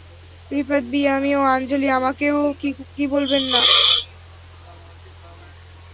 রিপাত বি আমিও আঞ্জলি আমাকেও কি বলবেন না?